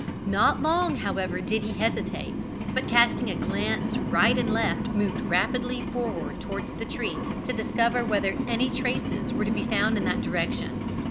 "Not long, however, did he hesitate, but, casting a glance right and left, moved rapidly forward towards the tree, to discover whether any traces were to be found in that direction.